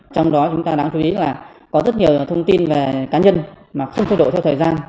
trong đó chúng ta đáng chú ý là có rất nhiều thông tin về cá nhân mà không thu đổi theo thời gian